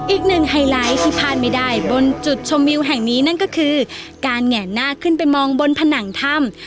ไฮไลท์ที่พลาดไม่ได้บนจุดชมวิวแห่งนี้นั่นก็คือการแหงหน้าขึ้นไปมองบนผนังถ้ำ